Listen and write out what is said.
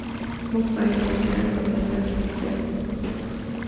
موږ باید د انټرنيټ په فضا کې په احتیاط وګرځو.